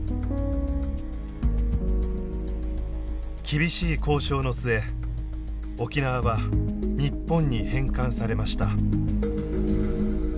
厳しい交渉の末沖縄は日本に返還されました。